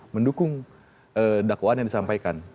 mendukung dakwaan yang disampaikan